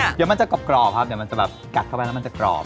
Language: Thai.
เดี๋ยวมันจะกรอบครับเดี๋ยวมันจะแบบกัดเข้าไปแล้วมันจะกรอบ